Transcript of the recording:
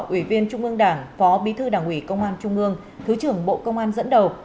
ủy viên trung ương đảng phó bí thư đảng ủy công an trung ương thứ trưởng bộ công an dẫn đầu